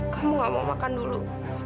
kamu gak mau makan dulu